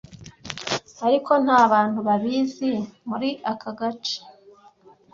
ariko nta abantu babizi muri aka gace